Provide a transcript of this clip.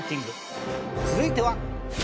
続いては。